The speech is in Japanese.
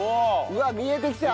うわっ見えてきた！